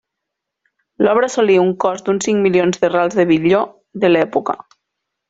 L'obra assolí un cost d'uns cinc milions de rals de billó de l'època.